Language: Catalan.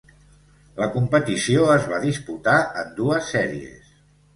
La competició es va disputar en dues sèries.